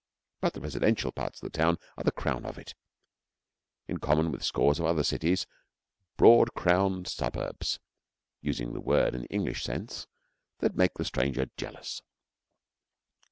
But the residential parts of the town are the crown of it. In common with scores of other cities, broad crowned suburbs using the word in the English sense that make the stranger jealous.